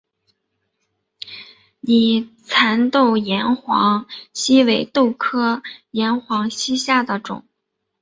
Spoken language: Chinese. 拟蚕豆岩黄耆为豆科岩黄耆属下的一个种。